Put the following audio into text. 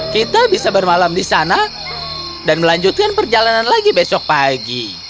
kita bisa bermalam di sana dan melanjutkan perjalanan lagi besok pagi